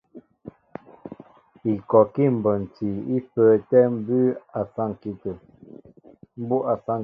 Ikɔkí mbonti í pə́ə́tɛ̄ mbú' a saŋki tə̂.